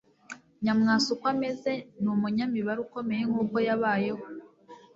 Nyamwasa uko ameze, ni umunyamibare ukomeye nkuko yabayeho.